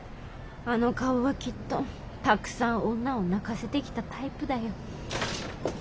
あの顔はきっとたくさん女を泣かせてきたタイプだよ。